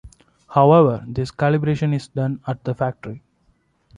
However, this calibration is done at the factory.